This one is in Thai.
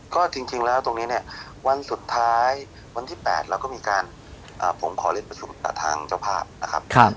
ก็จริงแล้วตรงนี้เนี่ยวันสุดท้ายวันที่๘แล้วก็มีการผมขอเรียนประชุมทางเจ้าภาพนะครับ